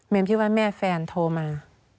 เมมชื่อว่าแม่แฟนโทรมา